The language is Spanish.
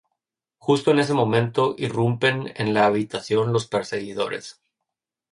Justo en ese momento, irrumpen en la habitación los perseguidores.